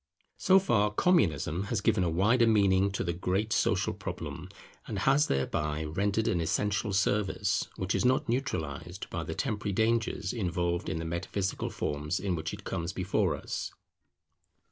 So far Communism has given a wider meaning to the great social problem, and has thereby rendered an essential service, which is not neutralized by the temporary dangers involved in the metaphysical forms in which it comes before us.